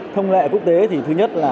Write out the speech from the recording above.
thông lệ quốc tế thì thứ nhất là